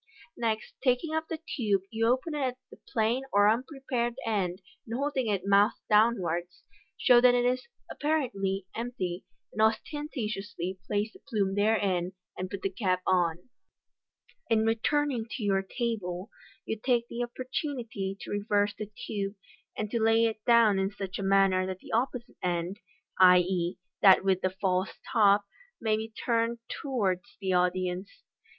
Next taking up the tube, you open it at the plain or unprepared end, and holding it mouth downwards, show that it is (apparently) empty ; then ostentatiously place the plume therein, and put the cap on. In returning to your table you take the opportunity to reverse the tube, and to lay it down in such a manner that the opposite end (i.e., that with the false top) may be turned towards the audience.